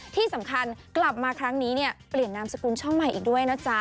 ที่สำคัญกลับมาครั้งนี้เนี่ยเปลี่ยนนามสกุลช่องใหม่อีกด้วยนะจ๊ะ